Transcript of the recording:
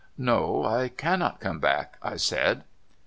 " No; I cannot come back," I said.